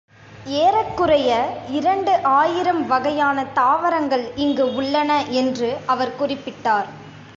ஏறக்குறைய இரண்டு ஆயிரம் வகையான தாவரங்கள் இங்கு உள்ளன என்று அவர் குறிப்பிட்டார்.